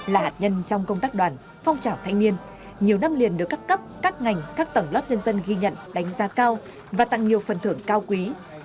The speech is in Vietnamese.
là hạt nhân trong công tác đoàn phong trào thanh niên nhiều năm liền được các cấp các ngành các tầng lớp nhân dân ghi nhận đánh giá cao và tặng nhiều phần thưởng cao quý